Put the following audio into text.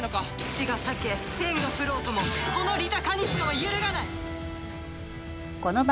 地が裂け天が降ろうともこのリタ・カニスカは揺るがない！